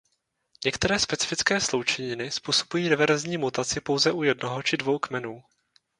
Některé specifické sloučeniny způsobují reverzní mutaci pouze u jednoho či dvou kmenů.